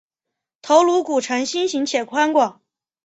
头颅骨呈心型且宽广。